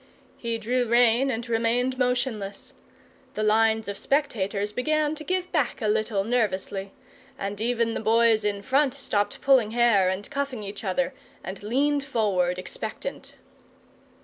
He drew rein and remained motionless. The lines of spectators began to give back a little, nervously; and even the boys in front stopped pulling hair and cuffing each other, and leaned forward expectant.